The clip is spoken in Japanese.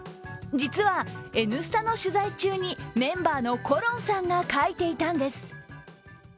実は「Ｎスタ」の取材中にメンバーのころんさんが書いていたんです。